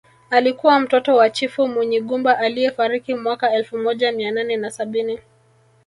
Alikuwa mtoto wa chifu Munyigumba aliyefariki mwaka elfu moja mia nane na sabini